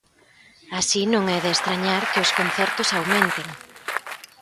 Así non é de estrañar que os concertos aumenten.